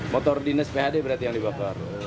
motor dinas pad berarti yang dibakar